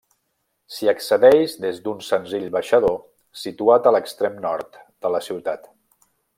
S'hi accedeix des d'un senzill baixador situat a l'extrem nord de la ciutat.